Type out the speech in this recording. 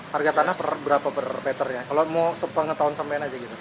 harga tanah berapa per meter ya kalau mau sepengah tahun sampein aja gitu